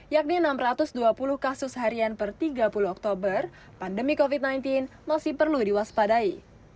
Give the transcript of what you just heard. yakni enam ratus dua puluh kasus harian per tiga puluh oktober pandemi covid sembilan belas masih perlu diwaspadai